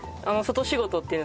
外仕事？